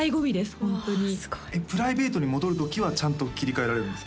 ホントにすごいプライベートに戻る時はちゃんと切り替えられるんですか？